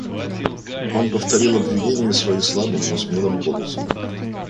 Он повторил обвинения свои слабым, но смелым голосом.